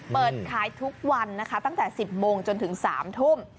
เปิดขายทุกวันนะคะตั้งแต่๑๐โมงจนถึง๓ทุ่ม